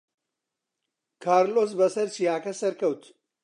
کارلۆس بەسەر چیاکە سەرکەوت.